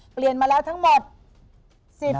เปลี่ยนมาแล้วทั้งหมด๑๒ครั้ง